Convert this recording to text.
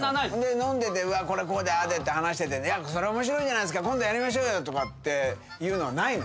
飲んでてこれこうでああでって話しててそれ面白いんじゃないですか今度やりましょうよとかっていうのはないの？